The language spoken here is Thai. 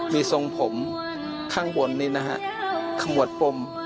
มีทรงผมข้างบนนี้นะฮะขมวดปม